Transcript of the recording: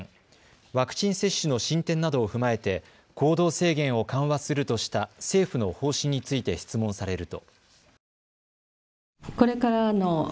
ワクチン接種の進展などを踏まえて行動制限を緩和するとした政府の方針について質問されると。